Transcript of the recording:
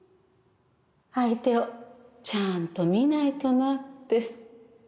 相手をちゃーんと見ないとなって